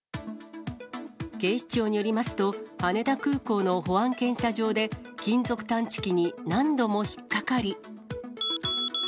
警視庁によりますと、羽田空港の保安検査場で、金属探知機に何度も引っ掛かり。